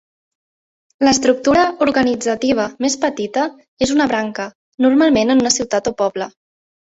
L'estructura organitzativa més petita és una branca, normalment en una ciutat o poble.